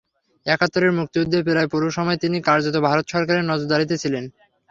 একাত্তরের মুক্তিযুদ্ধের প্রায় পুরো সময় তিনি কার্যত ভারত সরকারের নজরদারিতে ছিলেন।